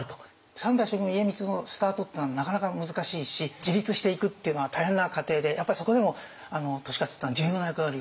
三代将軍家光のスタートっていうのはなかなか難しいし自立していくっていうのは大変な過程でやっぱりそこでも利勝っていうのは重要な役割を果たしてますよね。